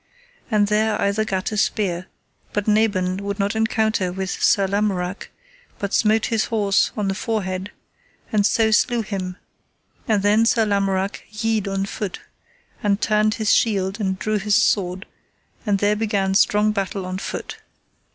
And there either gat a spear, but Nabon would not encounter with Sir Lamorak, but smote his horse in the forehead, and so slew him; and then Sir Lamorak yede on foot, and turned his shield and drew his sword, and there began strong battle on foot.